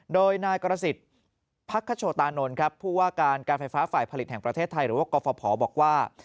โดยนายกรสิทธิ์พักคโชตานนท์ครับผู้ว่าการการไฟฟ้าฝ่ายผลิตแห่งประเทศไทยหรือว่ากรฟภบอกว่า